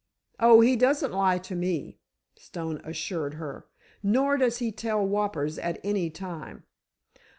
"Oh, he doesn't lie to me," Stone assured her; "nor does he tell whoppers at any time.